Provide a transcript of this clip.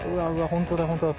本当だ本当だ